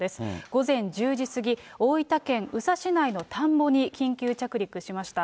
午前１０時過ぎ、大分県宇佐市内の田んぼに緊急着陸しました。